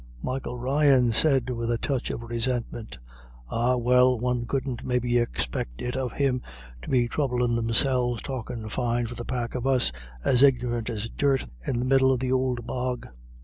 Michael Ryan said, with a touch of resentment, "Ah, well, one couldn't maybe expec' it of thim to be throublin' thimselves talkin' fine for the pack of us, as ignorant as dirt, in the middle of th'ould bog."